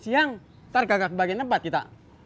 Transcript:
kebun siang targa kak bagian empat kita